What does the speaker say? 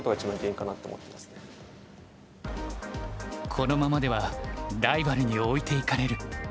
このままではライバルに置いていかれる。